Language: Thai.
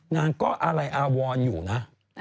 นางก็อะไรอาวรอยู่นะ